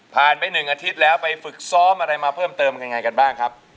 ไป๑อาทิตย์แล้วไปฝึกซ้อมอะไรมาเพิ่มเติมกันยังไงกันบ้างครับ